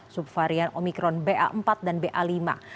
subvarian omikron ba empat dan ba lima